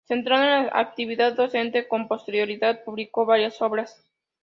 Centrado en la actividad docente, con posterioridad publicó varias obras.